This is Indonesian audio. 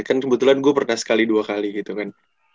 kan kebetulan gue pernah sekali dua kali gitu kan